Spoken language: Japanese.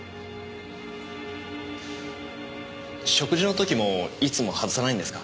食事の時もいつも外さないんですか？